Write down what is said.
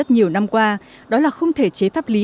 năm qua đó là không thể chế pháp lý